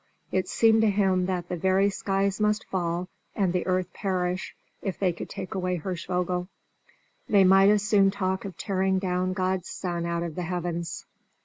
It seemed to him that the very skies must fall, and the earth perish, if they could take away Hirschvogel. They might as soon talk of tearing down God's sun out of the heavens.